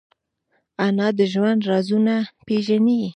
انا د ژوند رازونه پېژني